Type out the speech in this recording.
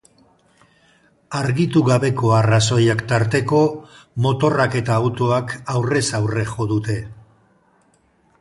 Argitu gabeko arrazoiak tarteko, motorrak eta autoak aurrez aurre jo dute.